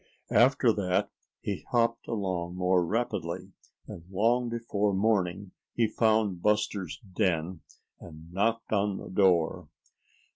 After that he hopped along more rapidly, and long before morning he found Buster's den and knocked on the door.